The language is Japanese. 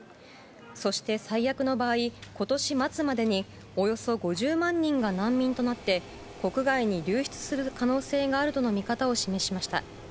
そして、最悪の場合今年末までにおよそ５０万人が難民となって国外に流出する可能性があるとの見方を示しました。